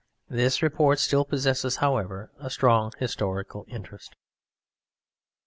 This report still possesses, however, a strong historical interest_).